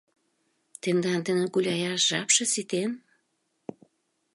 — Тендан дене гуляяш жапше ситен?